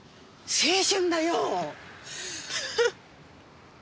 青春だよ！